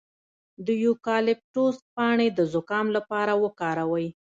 د یوکالیپټوس پاڼې د زکام لپاره وکاروئ